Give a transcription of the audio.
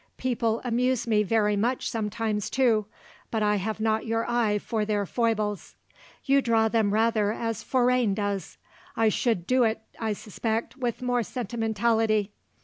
People amuse me very much sometimes, too; but I have not your eye for their foibles. You draw them rather as Forain does; I should do it, I suspect, with more sentimentality.